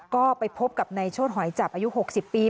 ก็ไปพบกับนายโชธหอยจับอายุ๖๐ปี